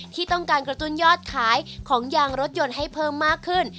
ที่ต้องการกระตุ้นยอดขายของยางรถยนต์ให้เพิ่มมากขึ้น